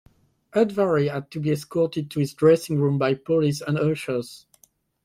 Udvari had to be escorted to his dressing room by police and ushers.